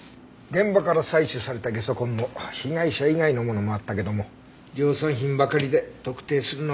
現場から採取されたゲソ痕も被害者以外のものもあったけども量産品ばかりで特定するのは困難だね。